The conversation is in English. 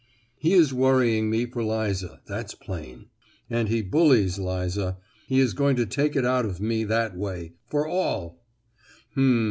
"He is worrying me for Liza, that's plain; and he bullies Liza—he is going to take it out of me that way—for all! Hm!